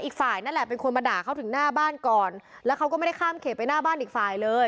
อีกฝ่ายนั่นแหละเป็นคนมาด่าเขาถึงหน้าบ้านก่อนแล้วเขาก็ไม่ได้ข้ามเขตไปหน้าบ้านอีกฝ่ายเลย